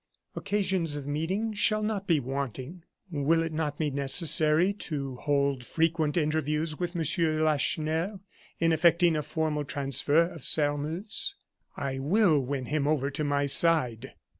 "Occasions of meeting shall not be wanting. Will it not be necessary to hold frequent interviews with Monsieur Lacheneur in effecting a formal transfer of Sairmeuse? I will win him over to my side.